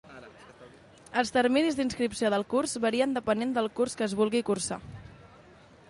Els terminis d'inscripció del curs varien depenent del curs que es vulgui cursar.